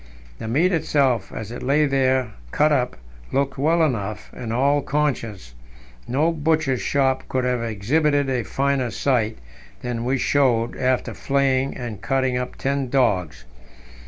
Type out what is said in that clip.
The meat itself, as it lay there cut up, looked well enough, in all conscience; no butcher's shop could have exhibited a finer sight than we showed after flaying and cutting up ten dogs.